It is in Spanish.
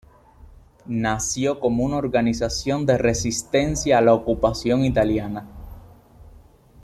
Nació como una organización de resistencia a la ocupación italiana.